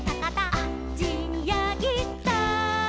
「あっちにやぎだ」